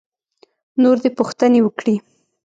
نور دې پوښتنې وکړي.